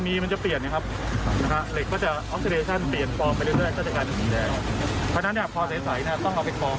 เพราะฉะนั้นพอใส่ต้องเอาไปฟองก่อน